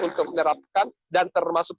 untuk menerapkan dan termasuk